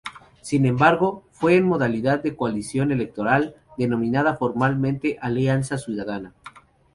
Sin embargo fue en modalidad de coalición electoral, denominada formalmente Alianza Ciudadana".